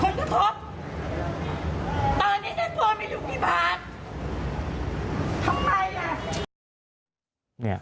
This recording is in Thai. ตอนนี้ฉันโพยไม่รู้เมื่อพลอดภัย